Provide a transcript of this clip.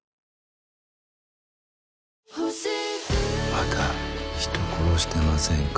また人殺してませんか？